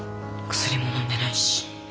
薬ものんでないし。